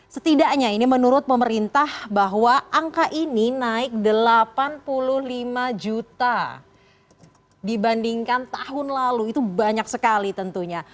setidaknya ini menurut pemerintah bahwa angka ini naik delapan puluh lima juta dibandingkan tahun lalu itu banyak sekali tentunya